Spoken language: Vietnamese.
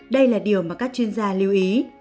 đây là điều mà các chuyên gia lưu ý